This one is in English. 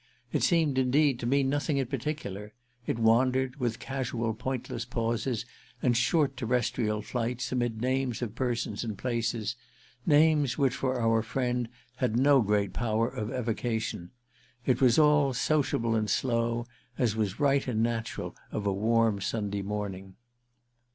It seemed indeed to mean nothing in particular; it wandered, with casual pointless pauses and short terrestrial flights, amid names of persons and places—names which, for our friend, had no great power of evocation. It was all sociable and slow, as was right and natural of a warm Sunday morning.